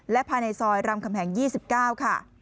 และภายในซอยรำคำแหง๒๙ค่ะ